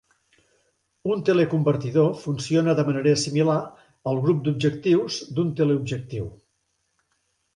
Un teleconvertidor funciona de manera similar al "grup d'objectius" d'un teleobjectiu.